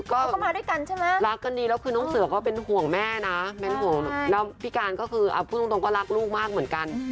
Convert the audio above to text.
ก็รักกันดีแล้วคือน้องเสือก็เป็นห่วงแม่นะแม่น้องห่วงแล้วพี่การก็คือพูดตรงก็รักลูกมากเหมือนกัน